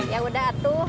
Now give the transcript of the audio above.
ya udah atuh